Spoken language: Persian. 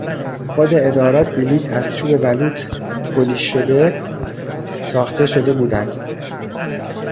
خود ادارات بلیط از چوب بلوط پولیش شده ساخته شده بودند.